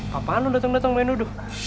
kapan lo dateng dateng main duduk